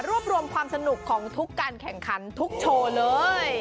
รวบรวมความสนุกของทุกการแข่งขันทุกโชว์เลย